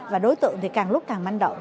và đối tượng thì càng lúc càng manh động